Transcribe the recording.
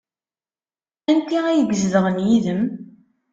Anti ay izedɣen yid-m?